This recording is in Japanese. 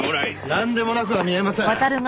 なんでもなくは見えません。